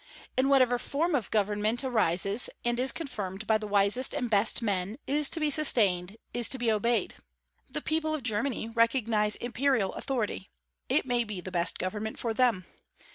And whatever form of government arises, and is confirmed by the wisest and best men, is to be sustained, is to be obeyed. The people of Germany recognize imperial authority: it may be the best government for them.